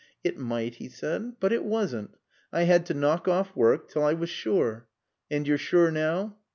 "It might," he said, "but it wasn't. I had to knock off work till I was sure." "And you're sure now?"